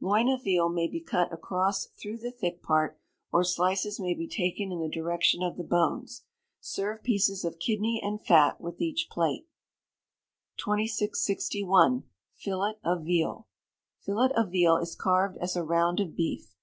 Loin of veal may be cut across through the thick part; or slices may be taken in the direction of the bones. Serve pieces of kidney and fat with each plate. 2601. Fillet of Veal. Fillet of veal is carved as a round of beef.